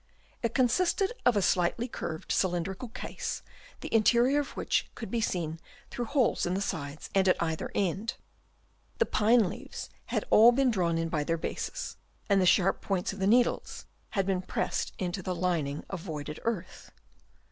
It consisted of a slightly curved cylindrical case, the interior of which could be seen through holes in the sides and at either end. The pine leaves had all been drawn in by their bases ; and the sharp points of the needles had been pressed into the lining of voided earth.